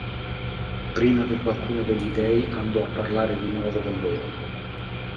Prima che qualcuno degli dei andò a parlare di nuovo con loro.